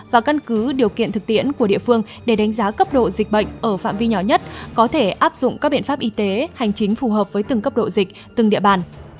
và căn cứ điều kiện thực tiễn của địa phương để đánh giá cấp độ dịch bệnh ở phạm vi nhỏ nhất có thể áp dụng các biện pháp y tế hành chính phù hợp với từng cấp độ dịch từng địa bàn